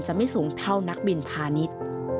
จะไม่สูงเท่านักบินพานิต